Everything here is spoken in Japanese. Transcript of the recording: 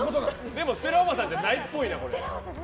でもステラおばさんじゃないっぽいな。